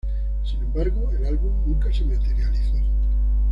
Sin embargo, el álbum nunca se materializó.